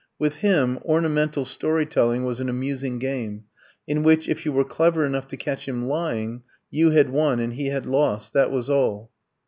With him ornamental story telling was an amusing game, in which, if you were clever enough to catch him lying, you had won and he had lost, that was all.